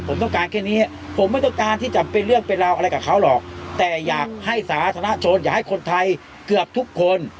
ผมต้องการแค่นี้ผมไม่ต้องการที่จะเป็นเรื่องเป็นราวอะไรกับเขาหรอกแต่อยากให้สาธารณชนอยากให้คนไทยเกือบทุกคน